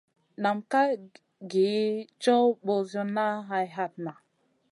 Nam ká gi caw ɓosiyona hay hatna.